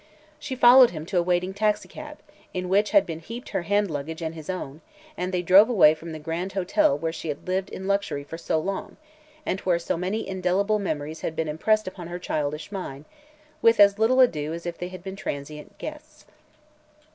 She followed him to a waiting taxicab, in which had been heaped her hand luggage and his own, and they drove away from the grand hotel where she had lived in luxury for so long, and where so many indelible memories had been impressed upon her childish mind, with as little ado as if they had been transient guests.